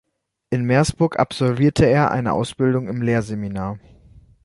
In Meersburg absolvierte er eine Ausbildung im Lehrerseminar.